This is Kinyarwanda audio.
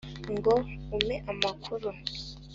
ngo umpe amakuru”